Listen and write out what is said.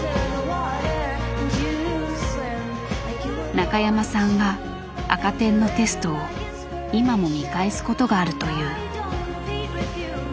中山さんは赤点のテストを今も見返すことがあるという。